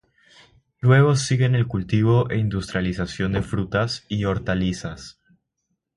Luego siguen el cultivo e industrialización de frutas y hortalizas.